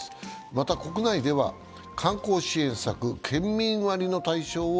また国内では、観光支援策、県民割の対象を